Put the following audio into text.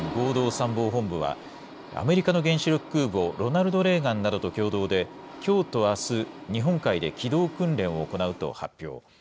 韓国軍合同参謀本部は、アメリカの原子力空母ロナルド・レーガンなどと共同で、きょうとあす、日本海で機動訓練を行うと発表。